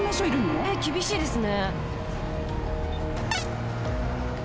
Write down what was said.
え厳しいですね。